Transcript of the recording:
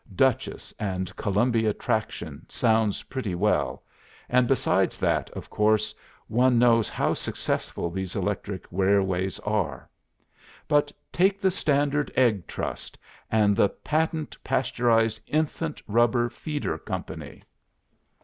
Dutchess and Columbia Traction sounds pretty well; and besides that, of course one knows how successful these electric railways are. But take the Standard Egg Trust, and the Patent Pasteurised Infant Rubber Feeder Company.